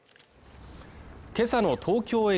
今朝の東京駅